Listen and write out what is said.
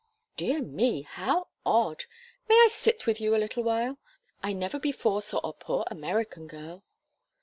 "Dear me, how odd! May I sit with you a little while? I never before saw a poor American girl."